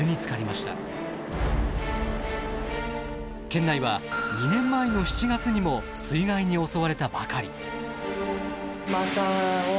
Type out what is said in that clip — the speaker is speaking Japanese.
県内は２年前の７月にも水害に襲われたばかり。